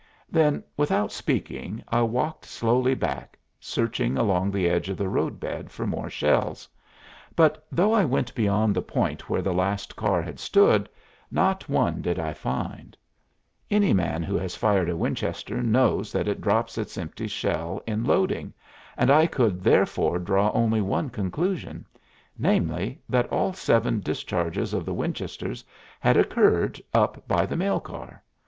Then, without speaking, I walked slowly back, searching along the edge of the road bed for more shells; but, though I went beyond the point where the last car had stood, not one did I find. Any man who has fired a Winchester knows that it drops its empty shell in loading, and I could therefore draw only one conclusion, namely, that all seven discharges of the Winchesters had occurred up by the mail car.